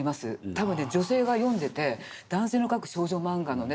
多分ね女性が読んでて男性の描く少女漫画のね